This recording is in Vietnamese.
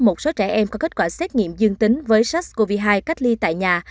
một số trẻ em có kết quả xét nghiệm dương tính với sars cov hai cách ly tại nhà